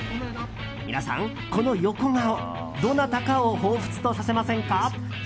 皆さん、この横顔、どなたかをほうふつとさせませんか？